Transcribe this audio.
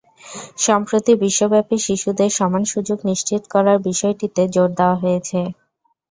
সম্প্রতি বিশ্বব্যাপী শিশুদের সমান সুযোগ নিশ্চিত করার বিষয়টিতে জোর দেওয়া হয়েছে।